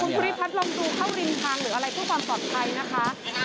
คุณภูริพัฒน์ลองดูเข้าริมทางหรืออะไรเพื่อความปลอดภัยนะคะ